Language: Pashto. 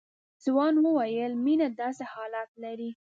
ځوان وويل مينه داسې حالات لري.